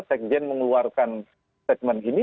pengen mengeluarkan statement ini